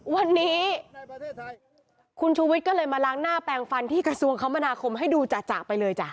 วันนี้คุณชูวิทย์ก็เลยมาล้างหน้าแปลงฟันที่กระทรวงคมนาคมให้ดูจ่ะไปเลยจ้ะ